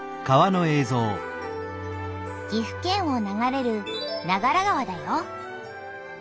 岐阜県を流れる長良川だよ。